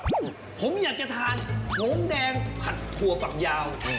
สุดผมอยากจะทานผงแดงผัดถั่วฝักยาว